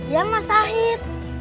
ya mas said